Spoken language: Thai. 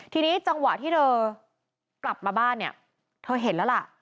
ทีนี้จังหวะที่เธอกลับมาบ้านเนี่ยเธอเห็นแล้วล่ะ